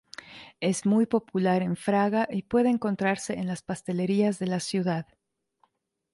Es muy popular en Fraga y puede encontrarse en las pastelerías de la ciudad.